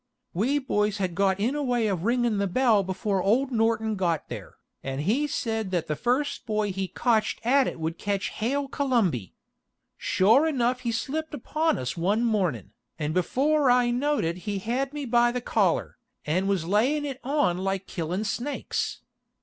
We boys had got in a way of ringin' the bell before old Norton got there, and he sed that the first boy he kotched at it would ketch hail Kolumby. Shore enuf he slipped upon us one mornin', and before I knowed it he had me by the collar, and was layin' it on like killin' snakes.